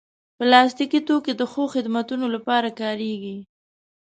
پلاستيکي توکي د ښو خدمتونو لپاره کارېږي.